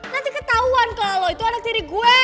nanti ketahuan kalo lo itu anak diri gue